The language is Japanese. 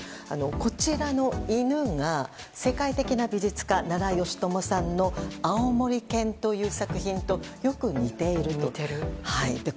こちらの犬が、世界的な美術家奈良美智さんの「あおもり犬」という作品とよく似ています。